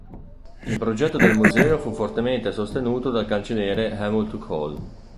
Il progetto del museo fu fortemente sostenuto dal cancelliere Helmut Kohl.